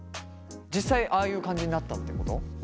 実際ああいう感じになったってこと？